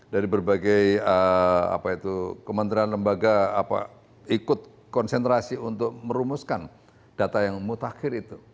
dari berbagai kementerian lembaga ikut konsentrasi untuk merumuskan data yang mutakhir itu